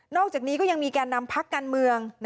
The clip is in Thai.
อกจากนี้ก็ยังมีแก่นำพักการเมือง